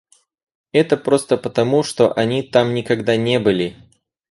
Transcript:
Это просто потому, что они там никогда не были.